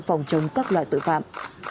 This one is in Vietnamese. phòng chống các loại tội phạm